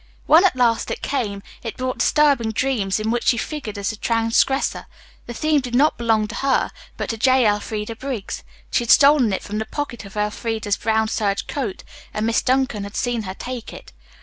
When, at last, it came, it brought disturbing dreams, in which she figured as the transgressor. The theme did not belong to her, but to J. Elfreda Briggs. She had stolen it from the pocket of Elfreda's brown serge coat, and Miss Duncan had seen her take it.